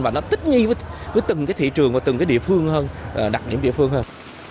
và nó tích nghi với từng cái thị trường và từng cái địa phương hơn đặc điểm địa phương hơn